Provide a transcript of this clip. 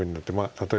例えば。